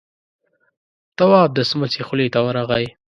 تواب د سمڅې خولې ته ورغی.